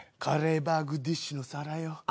カレーバーグディッシュの皿よ。